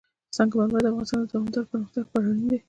سنگ مرمر د افغانستان د دوامداره پرمختګ لپاره اړین دي.